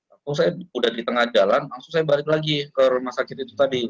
aku saya udah di tengah jalan langsung saya balik lagi ke rumah sakit itu tadi